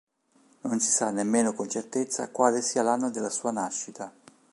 Non si sa nemmeno con certezza quale sia l'anno della sua nascita.